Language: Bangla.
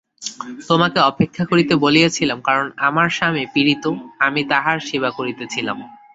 তোমাকে অপেক্ষা করিতে বলিয়াছিলাম, কারণ আমার স্বামী পীড়িত, আমি তাঁহার সেবা করিতেছিলাম।